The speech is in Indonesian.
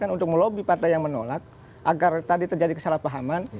untuk melobi partai yang menolak agar tadi terjadi kesalahpahaman